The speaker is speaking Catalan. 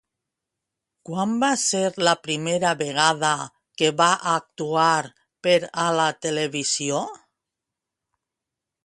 Quan va ser la primera vegada que va actuar per a la televisió?